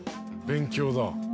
勉強だ。